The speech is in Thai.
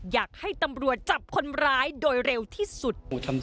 อยากให้ตำรวจจับคนร้ายโดยเร็วที่สุด